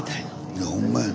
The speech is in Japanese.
いやほんまやね。